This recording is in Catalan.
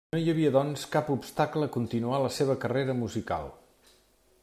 No hi havia doncs cap obstacle a continuar la seva carrera musical.